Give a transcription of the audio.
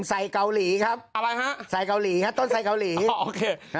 ใส่เกาหลีครับอะไรฮะใส่เกาหลีฮะต้นใส่เกาหลีโอเค